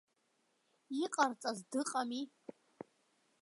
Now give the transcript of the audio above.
Иҟарҵаз дыҟами.